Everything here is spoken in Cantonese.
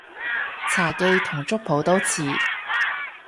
茶記同粥舖都似